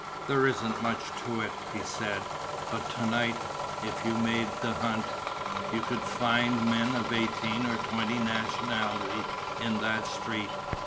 "There isn't much to it," he said, "but to night, if you made the hunt, you could find men of eighteen or twenty nationalities in that street."